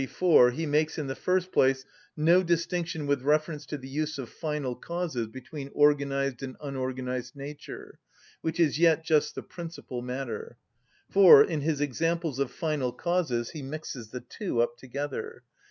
4), he makes, in the first place, no distinction with reference to the use of final causes between organised and unorganised nature (which is yet just the principal matter), for, in his examples of final causes, he mixes the two up together.